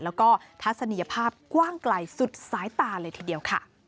แล้วก็ทัศนียภาพกว้างไกลสุดสายตาเลยทีเดียวค่ะ